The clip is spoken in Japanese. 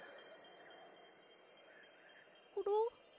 コロ？